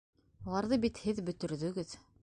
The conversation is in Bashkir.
Уларҙы бит һеҙ бөтөрҙөгөҙ!